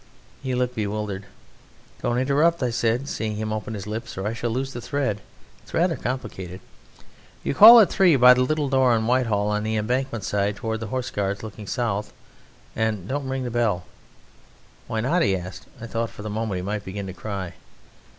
He looked bewildered. "Don't interrupt," I said, seeing him open his lips, "or I shall lose the thread. It's rather complicated. You call at three by the little door in Whitehall on the Embankment side towards the Horse Guards looking south, and don't ring the bell." "Why not?" he asked. I thought for the moment he might begin to cry.